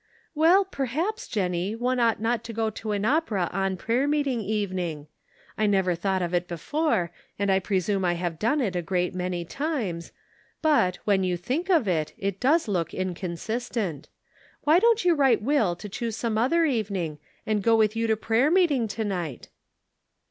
" Well, perhaps, Jennie, one ought not to go to an opera on prayer meeting evening. I never thought of it before, and I presume I have done it a great many times ; but, when you think of it, it does look inconsistent. Why don't you write Will to choose some other even ing, and go with you to prayer meeting to night?"